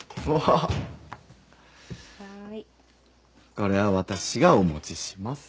これは私がお持ちします。